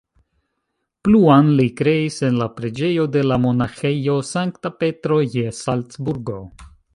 Pluan li kreis en la preĝejo de la monaĥejo Sankta Petro je Salcburgo.